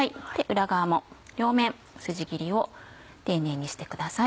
裏側も両面スジ切りを丁寧にしてください。